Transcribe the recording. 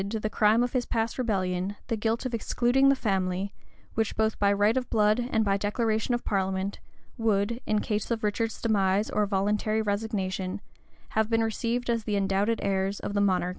] to the crime of his past rebellion, the guilt of excluding the family, which, both by right of blood and by declaration of parliament, would, in case of Richard's demise or voluntary resignation, have been received as the undoubted heirs of the monarchy.